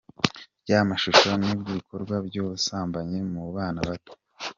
ry’amashusho n’ibikorwa by’ubusambanyi mu bana bato .